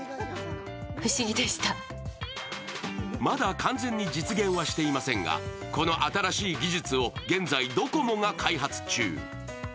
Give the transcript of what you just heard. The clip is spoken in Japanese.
まだ完全に実現はしていませんが、この新しい技術を現在ドコモが開発中。